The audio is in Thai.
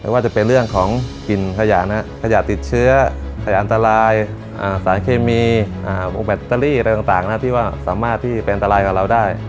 ว่าจะเป็นเรื่องของกลิ่นขยะขยะติดเชื้อขยะอันตรายสารเคมีพวกแบตเตอรี่อะไรต่างที่ว่าสามารถที่เป็นอันตรายกับเราได้